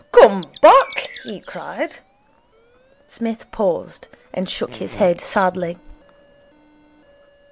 'Come back,' he cried. Psmith paused and shook his head sadly.